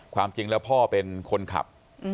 ความจริงแล้วพ่อเป็นคนขับ